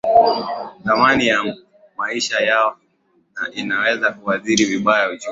thamani ya maisha yao na inaweza kuathiri vibaya uchumi